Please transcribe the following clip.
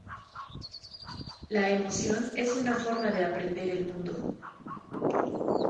La emoción es una forma de aprender el mundo.